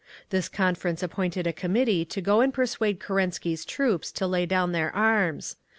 This conference appointed a committee to go and persuade Kerensky's troops to lay down their arms.